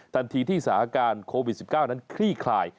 ทันทีที่สถานการณ์โควิด๑๙นั้นคลี่คลาย